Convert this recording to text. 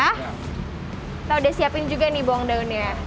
kita udah siapin juga nih bawang daunnya